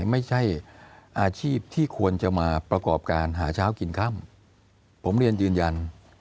ไม่ใช่อาชีพที่ควรจะมาประกอบการหาเช้ากินค่ำผมเรียนยืนยัน